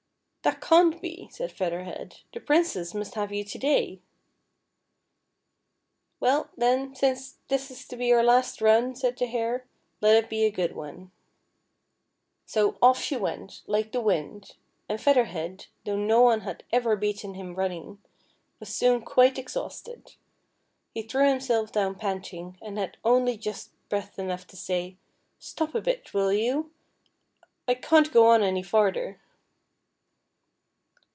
"That can't be," said Feather Head; "the Princess nmst have you to day." "Well, then, since this is to be our last run," said the Hare, '' let it be a good one." So off 3he went like the wind, and Feather Head, though no one had ever beaten him running, was soon quite exhausted. He threw himself down panting, and had only just breath enough to say, " Stop a bit, will }'ou. I can't go on any farther."